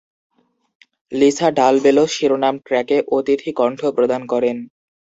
Lisa Dalbello শিরোনাম ট্র্যাকে অতিথি কণ্ঠ প্রদান করেন।